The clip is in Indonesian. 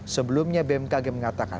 sebelumnya bmkg mengatakan